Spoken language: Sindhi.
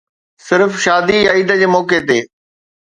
صرف شادي يا عيد جي موقعي تي